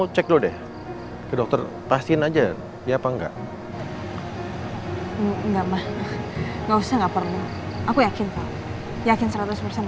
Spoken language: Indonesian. yakin seratus persen aku ngamil